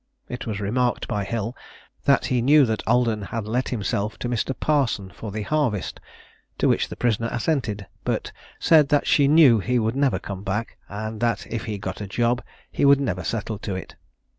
It was remarked by Hill, "that he knew that Alden had let himself to Mr. Parson for the harvest," to which the prisoner assented, but said that she knew he would never come back, and that if he got a job he would never settle to it.